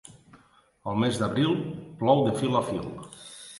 Al mes d'abril, plou de fil a fil.